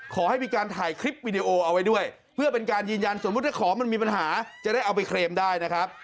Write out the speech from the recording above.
ขอให้มีการถ่ายคลิปวิดีโอเอาไว้ด้วยเพื่อเป็นการยืนยันสมมุติถ้าของมันมีปัญหาจะได้เอาไปเคลมได้นะครับ